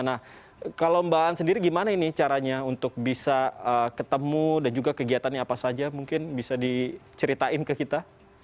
nah kalau mbak aan sendiri gimana ini caranya untuk bisa ketemu dan juga kegiatannya apa saja mungkin bisa diceritain ke kita